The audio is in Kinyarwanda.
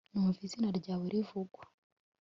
numva izina ryawe rivugwa